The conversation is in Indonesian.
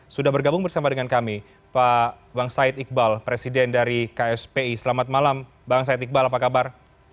sudah bergabung bersama dengan kami pak bang said iqbal presiden dari kspi selamat malam bang said iqbal apa kabar